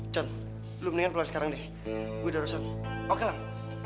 con lo mendingan pulang sekarang deh gue udah urusan oke lang